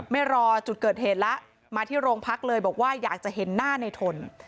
ไม่รอจุดเกิดเหตุแล้วมาที่โรงพักเลยบอกว่าอยากจะเห็นหน้าในทน